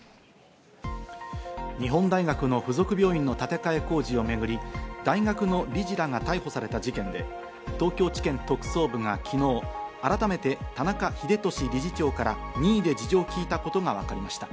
日本大学の付属病院の建て替え工事をめぐり大学の理事らが逮捕された事件で、東京地検特捜部が昨日、改めて田中英壽理事長から任意で事情を聞いたことがわかりました。